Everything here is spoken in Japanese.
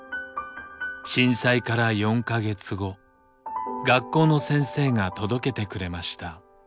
震災から４か月後学校の先生が届けてくれました。